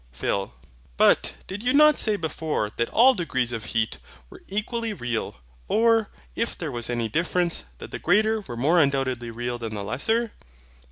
PHIL. But, did you not say before that all degrees of heat were equally real; or, if there was any difference, that the greater were more undoubtedly real than the lesser?